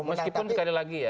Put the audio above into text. meskipun sekali lagi ya